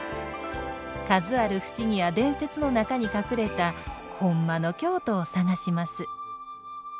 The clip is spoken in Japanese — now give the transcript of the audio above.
数ある不思議や伝説の中に隠れたホンマの京都をさがします。